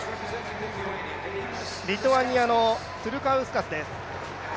リトアニアのトゥルカウスカスです。